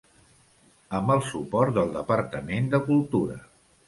Amb el suport del Departament de Cultura.